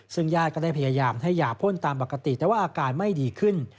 ซึ่งญาติก็ได้พยายามให้ยาพ่นตามปกติแต่ว่าอาการไม่ดีขึ้น